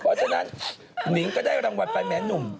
เพราะฉะนั้นหนิงก็ได้รางวัลไปแม้หนุ่ม